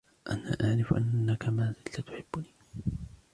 أنا أعرف أنكَ ما زلت تحبني.